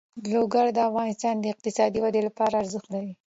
لوگر د افغانستان د اقتصادي ودې لپاره ارزښت لري.